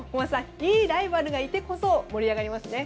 いいライバルがいてこそ盛り上がりますね。